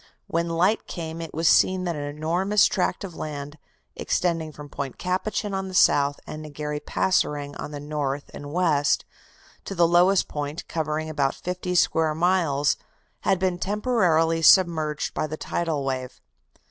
When light came it was seen that an enormous tract of land, extending from Point Capucin on the south, and Negery Passoerang on the north and west, to the lowest point, covering about fifty square miles, had been temporarily submerged by the 'tidal wave.